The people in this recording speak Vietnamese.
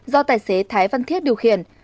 do tài xế thái văn thiết điều khiển